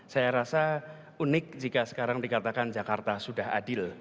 saya rasa unik jika sekarang dikatakan jakarta sudah adil